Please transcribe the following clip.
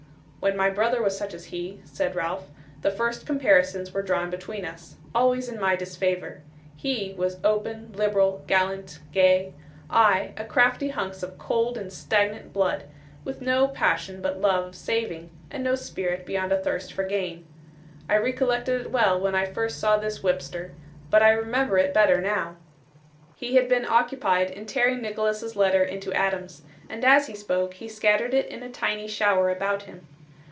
'When my brother was such as he,' said Ralph, 'the first comparisons were drawn between us always in my disfavour. HE was open, liberal, gallant, gay; I a crafty hunks of cold and stagnant blood, with no passion but love of saving, and no spirit beyond a thirst for gain. I recollected it well when I first saw this whipster; but I remember it better now.' He had been occupied in tearing Nicholas's letter into atoms; and as he spoke, he scattered it in a tiny shower about him.